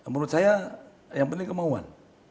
menurut saya yang penting kemauan